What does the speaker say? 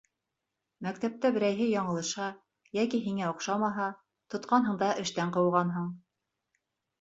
Мәктәптә берәйһе яңылышһа, йәки һиңә оҡшамаһа, тотҡанһың да эштән ҡыуғанһың.